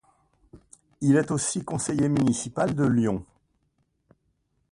Il est aussi conseiller municipal de Lyon.